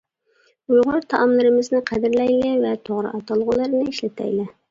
ئۇيغۇر تائاملىرىمىزنى قەدىرلەيلى، ۋە توغرا ئاتالغۇلىرىنى ئىشلىتەيلى!